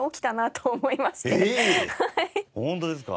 本当ですか？